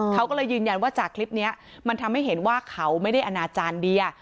เขาก็เลยยืนยันว่าจากคลิปนี้มันทำให้เห็นว่าเขาไม่ได้อนาจารย์เดีย